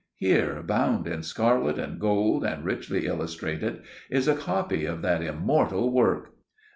Here, bound in scarlet and gold, and richly illustrated, is a copy of that immortal work.